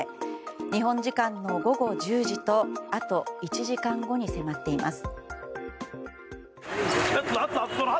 日本時間の午後１０時とあと１時間後に迫っています。